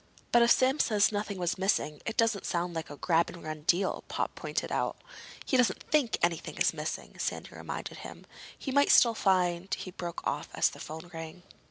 "But if Sam says nothing was missing, it doesn't sound like a grab and run deal," Pop pointed out. "He doesn't think anything is missing," Sandy reminded him. "He might still find—" He broke off as the phone rang.